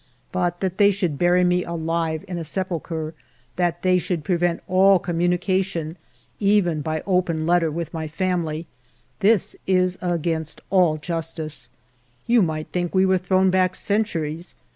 But that they should bury me alive in a sepulchre, that they should prevent all communication, even by open letter, with my family, — this is against all justice. You might think we were thrown back centuries.